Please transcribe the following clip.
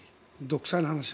独裁の話。